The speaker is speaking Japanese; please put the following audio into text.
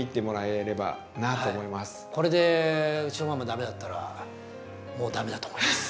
これでうちのママ駄目だったらもう駄目だと思います。